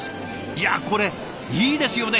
いやこれいいですよね